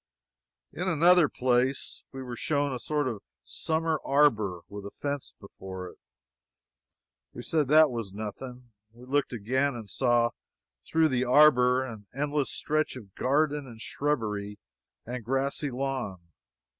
In another place we were shown a sort of summer arbor, with a fence before it. We said that was nothing. We looked again, and saw, through the arbor, an endless stretch of garden, and shrubbery, and grassy lawn.